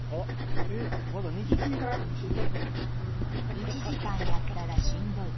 「１時間やったらしんどい」。